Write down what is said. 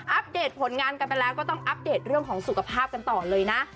เดตผลงานกันไปแล้วก็ต้องอัปเดตเรื่องของสุขภาพกันต่อเลยนะ